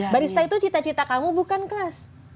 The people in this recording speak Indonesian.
barista itu cita cita kamu bukan kelas